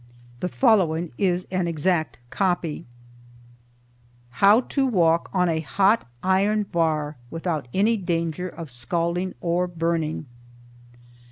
The following is an exact copy: HOW TO WALK ON A HOT IRON BAR WITHOUT ANY DANGER OF SCALDING OR BURNING.